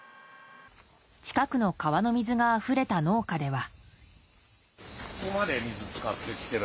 近くの川の水があふれた農家では。